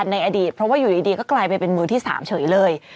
ในอดีตเพราะว่าอยู่ดีก็กลายเป็นมือที่๓เฉยเลย